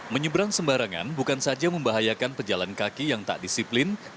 menyeberang sembarangan bukan saja membahayakan pejalan kaki yang tak disiplin